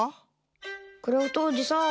クラフトおじさん。